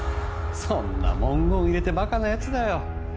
そんな文言入れてバカなやつだよ